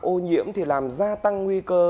ô nhiễm thì làm gia tăng nguy cơ